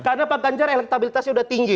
karena pak ganjar elektabilitasnya udah tinggi